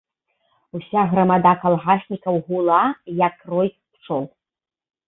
Уся грамада калгаснікаў гула, як рой пчол.